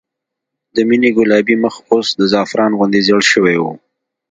د مينې ګلابي مخ اوس د زعفران غوندې زېړ شوی و